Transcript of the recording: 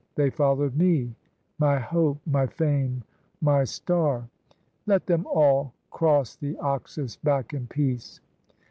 They follow'd me, my hope, my fame, my star. Let them all cross the Oxus back in peace.